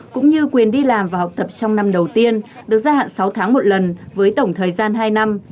cũng như quyền đi làm và học tập trong năm đầu tiên được gia hạn sáu tháng một lần với tổng thời gian hai năm